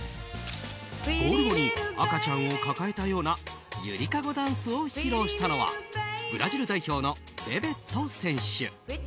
ゴール後に赤ちゃんを抱えたようなゆりかごダンスを披露したのはブラジル代表のベベット選手。